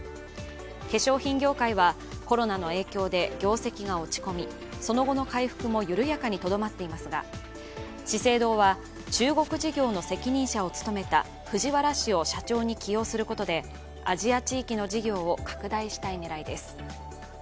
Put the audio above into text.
化粧品業界はコロナの影響で業績が落ち込みその後の回復も緩やかにとどまっていますが資生堂は中国事業の責任者を務めた藤原氏を社長に起用することでアジア地域の事業を拡大したい狙いです。